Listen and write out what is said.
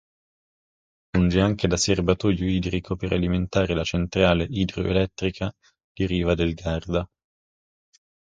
Funge anche da serbatoio idrico per alimentare la centrale idroelettrica di Riva del Garda.